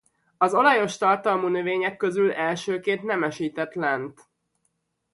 Az olajos tartalmú növények közül elsőként nemesített lent.